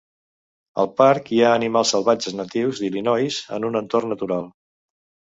El parc hi ha animals salvatges natius d'Illinois, en un entorn natural.